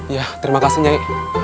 ya terima kasih nyai